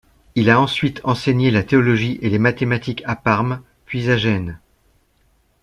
Il a ensuite enseigné la théologie et les mathématiques à Parme, puis à Gênes.